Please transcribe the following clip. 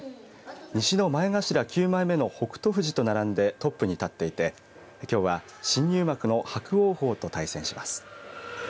西の前頭９枚目の北勝富士と並んでトップに立っていてきょうは新入幕の伯桜鵬と対戦します。